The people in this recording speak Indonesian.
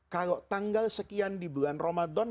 kalau tanggal sekian di bulan ramadan